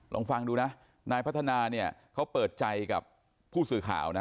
ลองฟังดูนะนายพัฒนาเนี่ยเขาเปิดใจกับผู้สื่อข่าวนะ